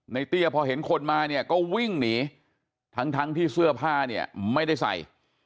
เตี้ยพอเห็นคนมาเนี่ยก็วิ่งหนีทั้งทั้งที่เสื้อผ้าเนี่ยไม่ได้ใส่